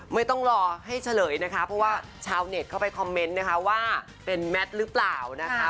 ไม่ต้องรอให้เฉลยนะคะเพราะว่าชาวเน็ตเข้าไปคอมเมนต์นะคะว่าเป็นแมทหรือเปล่านะคะ